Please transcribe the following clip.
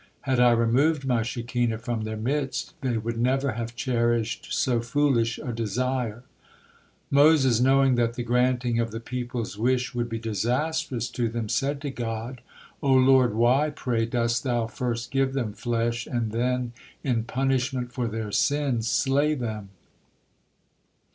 Had I removed My Shekinah from their midst they would never have cherished so foolish a desire." Moses, knowing that the granting of the people's wish would be disastrous to them, said to God: "O Lord, why, pray, dost Thou first give them flesh, and then, in punishment for their sin, slay them?